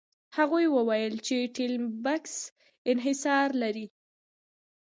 هغوی وویل چې ټیلمکس انحصار لري.